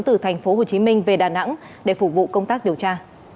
từ thành phố hồ chí minh về đà nẵng để phục vụ công tác điều tra